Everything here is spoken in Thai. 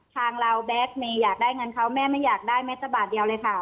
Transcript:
ทางเราแบทเมย์อยากได้เงินเขาแม่ไม่อยากได้แม้แต่บาทเดียวเลยค่ะ